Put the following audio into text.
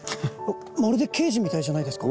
まるで刑事みたいじゃないですか。